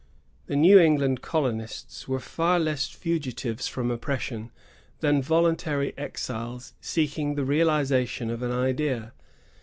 The New England colonists were far less fugitives from oppression than voluntary exiles seeking the realization of an idea.